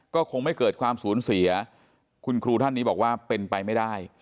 ก็คงไม่เกิดความสูญเสียคุณครูท่านนี้บอกว่าเป็นไปไม่ได้